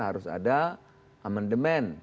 harus ada amandemen